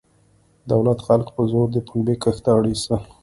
دولت خلک په زور د پنبې کښت ته اړ ایستل.